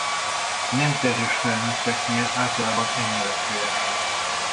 Nem terhes felnőtteknél általában enyhe lefolyású.